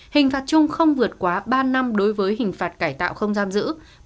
hình phạt chung không vượt quá ba năm đối với hình phạt cải tạo không giam giữ